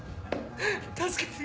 助けて。